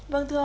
vâng thưa ông